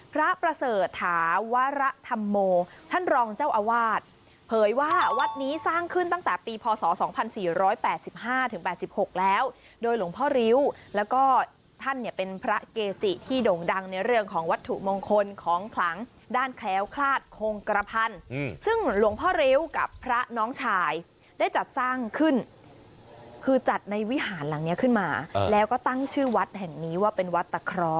พระประเสริฐถาวรธรรมโมท่านรองเจ้าอาวาสเผยว่าวัดนี้สร้างขึ้นตั้งแต่ปีพศ๒๔๘๕๘๖แล้วโดยหลวงพ่อริ้วแล้วก็ท่านเนี่ยเป็นพระเกจิที่โด่งดังในเรื่องของวัตถุมงคลของขลังด้านแคล้วคลาดโคงกระพันธ์ซึ่งหลวงพ่อริ้วกับพระน้องชายได้จัดสร้างขึ้นคือจัดในวิหารหลังนี้ขึ้นมาแล้วก็ตั้งชื่อวัดแห่งนี้ว่าเป็นวัดตะคร้อ